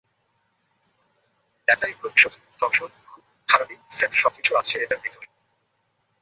এটাই প্রতিশোধ, ধর্ষণ, খুন-খারাপি, সেক্স সবকিছু আছে এটার ভিতরে।